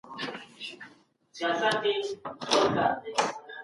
د ابادۍ وخت دی.